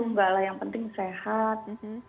mbak lah yang penting sehat